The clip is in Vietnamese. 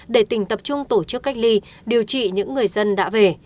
để tỉnh tập trung tổ chức cách ly điều trị những người dân đã về